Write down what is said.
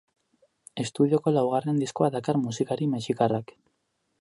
Estudioko laugarren diskoa dakar musikari mexikarrak.